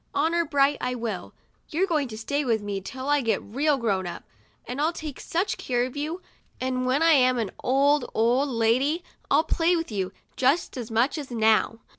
Honor bright, I will. You're going to stay with me till I get real grown up. I'll take such care of you, and when I am an old, old lady, I'll play with you, just as much as now.